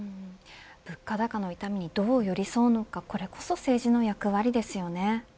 物価高の痛みにどう寄り添うのかこれこそ政治の役割ですよね。